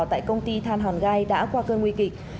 tại công ty than hòn gai đã qua cơn nguy kịch